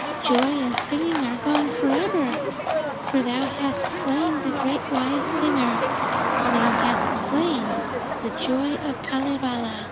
Joy and singing are gone for ever, for thou hast slain the great wise singer, thou hast slain the joy of Kalevala.'